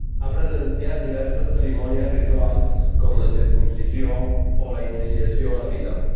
Ha presenciat diverses cerimònies rituals, com la circumcisió, o la iniciació a la vida.